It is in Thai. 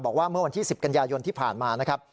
บอกว่าเมื่อวันที่๑๐กันยายนที่ผ่านมานะครับ